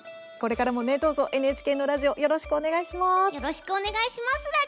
これからもねどうぞＮＨＫのラジオよろしくお願いします。